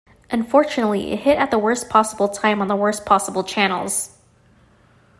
Unfortunately it hit at the worst possible time on the worst possible channels.